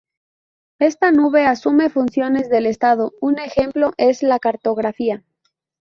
Esta nube asume funciones del estado, un ejemplo es la cartografía.